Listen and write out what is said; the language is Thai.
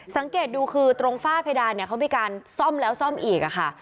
สังเกตดูคือตรงฝ้าเพดานเนี่ยเขามีการซ่อมแล้วซ่อมอีกค่ะ